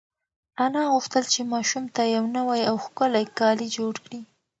انا غوښتل چې ماشوم ته یو نوی او ښکلی کالي جوړ کړي.